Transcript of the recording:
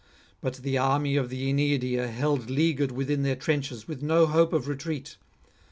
But the army of the Aeneadae are held leaguered within their trenches, with no hope of retreat.